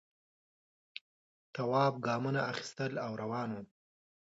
تواب گامونه اخیستل او روان و.